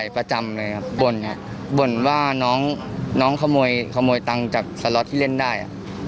ประจำเลยครับบ่นครับบ่นว่าน้องขโมยตังค์จากสล็อตที่เล่นได้